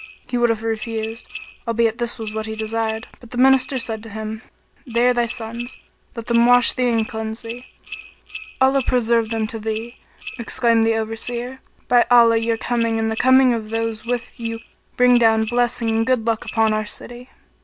He would have refused, albeit this was what he desired; but the Minister said to him, "They are thy sons; let them wash thee and cleanse thee." "Allah preserve them to thee!" exclaimed the Overseer, "By Allah your coming and the coming of those with you bring down blessing and good luck upon our city!"